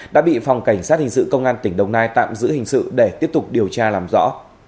đã bị phòng cảnh sát hình sự công an tỉnh đồng nai tạm giữ hình sự để tiếp tục điều tra làm rõ